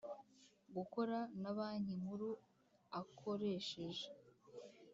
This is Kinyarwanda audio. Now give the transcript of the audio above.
Gukora na banki nkuru akoresheje